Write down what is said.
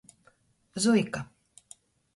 Zuika.